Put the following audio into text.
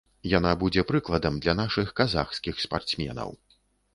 Яна будзе прыкладам для нашых казахскіх спартсменаў.